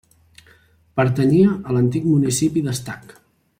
Pertanyia a l'antic municipi d'Estac.